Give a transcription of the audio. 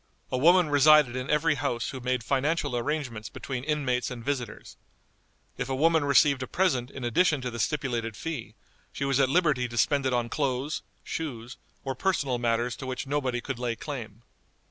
A woman resided in every house who made financial arrangements between inmates and visitors. If a woman received a present in addition to the stipulated fee, she was at liberty to spend it on clothes, shoes, or personal matters to which nobody could lay claim.